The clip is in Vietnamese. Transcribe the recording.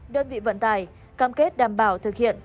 đơn vị vận tải cam kết đảm bảo thực hiện